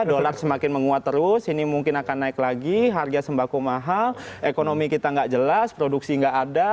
dolar semakin menguat terus ini mungkin akan naik lagi harga sembako mahal ekonomi kita nggak jelas produksi nggak ada